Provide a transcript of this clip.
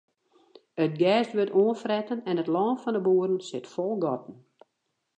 It gers wurdt oanfretten en it lân fan de boeren sit fol gatten.